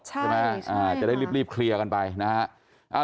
ใช่ไหมจะได้รีบเคลียร์กันไปนะฮะ